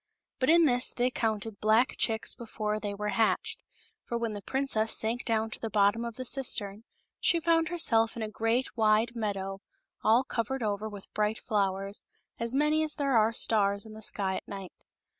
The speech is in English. But in this they counted black chicks before they were hatched ; for when the princess sank down to the bottom of the cistern, she found herself in a great wide meadow, all covered over with bright flowers, as n^any as there are stars in the sky at night.